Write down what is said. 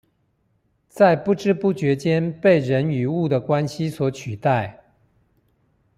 在不知不覺間被人與物的關係所取代